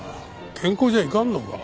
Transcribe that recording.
健康じゃいかんのか？